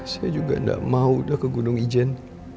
saya juga tidak mau ke gunung ijen